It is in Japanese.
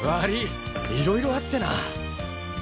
いろいろあってな。